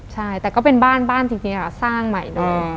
ใช่แต่ก็เป็นบ้านบ้านจริงค่ะสร้างใหม่เนอะ